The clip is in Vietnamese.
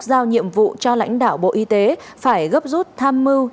giao nhiệm vụ cho lãnh đạo bộ y tế phải gấp rút tham mưu